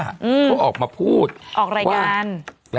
เขาออกมาพูดว่า